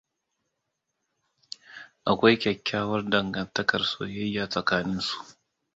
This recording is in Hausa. Akwai kyakkyawar dangantakar soyayya tsakanin su.